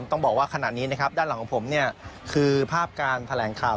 ต้องบอกว่าขณะนี้นะครับด้านหลังของผมเนี่ยคือภาพการแถลงข่าว